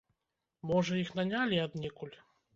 Можа, іх нанялі аднекуль?